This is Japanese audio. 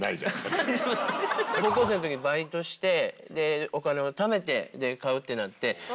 高校生のときにバイトしてでお金を貯めて飼うってなって。